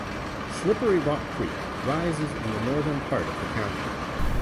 Slippery Rock Creek rises in the northern part of the township.